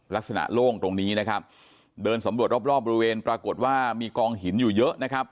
ลักษณะโล่งตรงนี้นะครับเดินสำรวจรอบรอบบริเวณปรากฏว่ามีกองหินอยู่เยอะนะครับ